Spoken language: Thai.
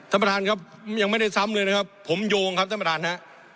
ท่านประธานครับยังไม่ได้ซ้ำเลยนะครับผมโยงครับท่านประธานฮะ